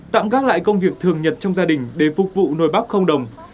tạm gác lại công việc thường nhật trong gia đình để phục vụ nồi bắp không đồng